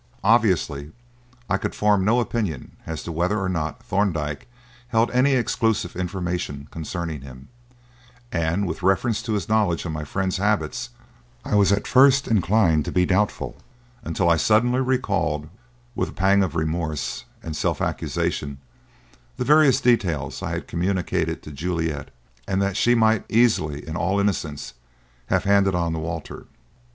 Obviously I could form no opinion as to whether or not Thorndyke held any exclusive information concerning him, and, with reference to his knowledge of my friend's habits, I was at first inclined to be doubtful until I suddenly recalled, with a pang of remorse and self accusation, the various details that I had communicated to Juliet and that she might easily, in all innocence, have handed on to Walter.